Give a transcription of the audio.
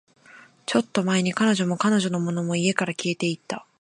ちょっと前に、彼女も、彼女のものも、家から消えていった